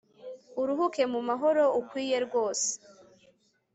uruhuke mumahoro ukwiye rwose